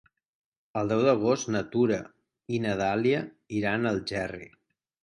El deu d'agost na Tura i na Dàlia iran a Algerri.